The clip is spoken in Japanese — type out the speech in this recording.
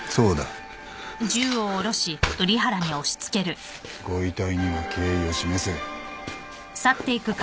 ご遺体には敬意を示せ。